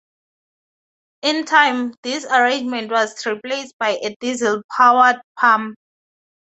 In time this arrangement was replaced by a diesel powered pump.